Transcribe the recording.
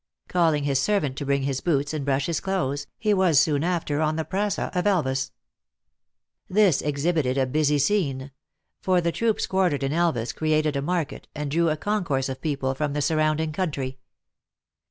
Calling his ser vant to bring his boots and brush his clothes, he was soon after on tlie praca of Elvas. This exhibited a busy scene; for the troops quar tered in Elvas created a market, and drew a concourse of people from the surrounding country.